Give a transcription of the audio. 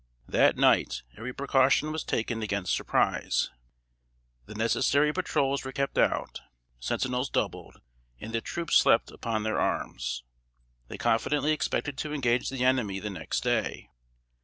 That night every precaution was taken against surprise. The necessary patrols were kept out, sentinels doubled, and the troops slept upon their arms. They confidently expected to engage the enemy the next day.